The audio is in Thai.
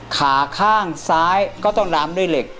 ขาข้างซ้ายก็ต้องลามด้วยเหล็ก